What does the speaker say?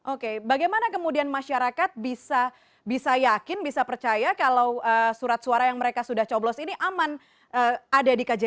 oke bagaimana kemudian masyarakat bisa yakin bisa percaya kalau surat suara yang mereka sudah coblos ini aman ada di kjri